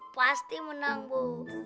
pasti menang bu